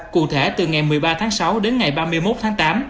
cụ thể từ ngày một mươi ba tháng sáu đến ngày ba mươi một tháng tám